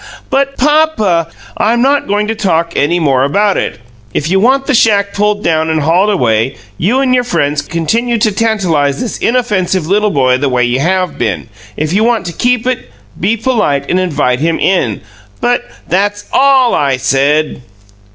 "But, PAPA " "I'm not going to talk any more about it. If you want the shack pulled down and hauled away, you and your friends continue to tantalize this inoffensive little boy the way you have been. If you want to keep it, be polite and invite him in." "But " "That's ALL, I said!"